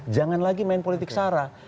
jangan lagi main politik sara